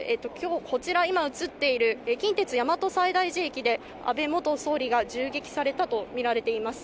こちら今映っている近鉄・大和西大寺駅で安倍元総理が銃撃されたとみられています。